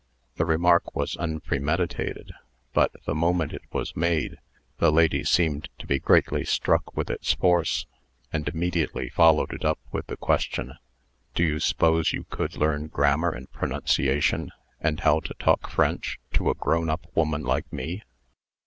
The remark was unpremeditated, but, the moment it was made, the lady seemed to be greatly struck with its force, and immediately followed it up with the question, "Do you s'pose you could learn grammar and pronunciation, and how to talk French, to a grown up woman like me?"